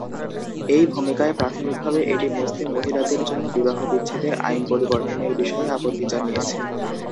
এই ভূমিকায় প্রাথমিকভাবে এটি মুসলিম মহিলাদের জন্য বিবাহবিচ্ছেদের আইন পরিবর্তনের বিষয়ে আপত্তি জানিয়েছে।